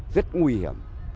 rất nguy hiểm